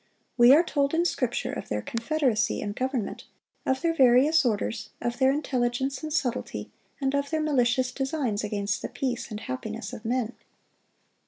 We are told in Scripture of their confederacy and government, of their various orders, of their intelligence and subtlety, and of their malicious designs against the peace and happiness of men.